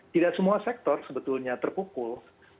tidak semua sektor sebetulnya terpukul